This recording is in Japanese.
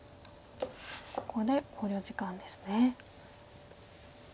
ここで考慮時間ですね。